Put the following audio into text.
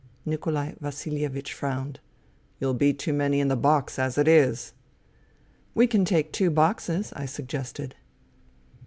Nikolai Vasilievich frowned. " You'll be too many in the box as it is." " We can take two boxes," I suggested.